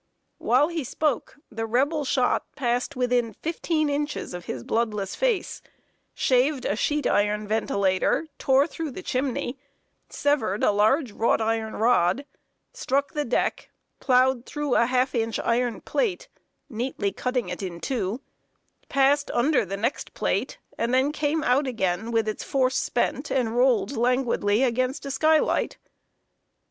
While he spoke, the Rebel shot passed within fifteen inches of his bloodless face, shaved a sheet iron ventilator, tore through the chimney, severed a large wrought iron rod, struck the deck, plowed through a half inch iron plate, neatly cutting it in two, passed under the next plate, and then came out again, with its force spent, and rolled languidly against a sky light.